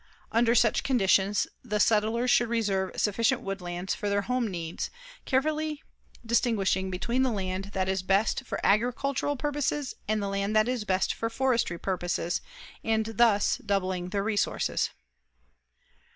Under such conditions, the settlers should reserve sufficient woodlands for their home needs, carefully distinguishing between the land that is best for agricultural purposes and the land that is best for forestry purposes, and thus doubling their resources.